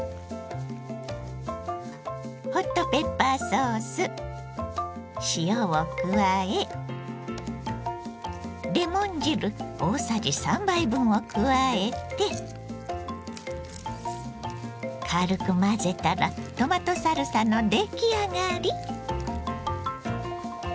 ホットペッパーソース塩を加えレモン汁大さじ３杯分を加えて軽く混ぜたらトマトサルサの出来上がり。